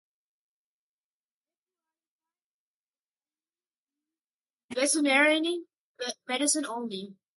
Diprenorphine is used in veterinary medicine only.